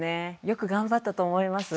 よく頑張ったと思います。